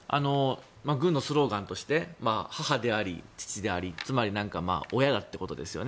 軍のスローガンとして母であり、父でありつまり親だってことですよね。